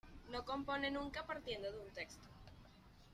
No compone nunca partiendo de un texto.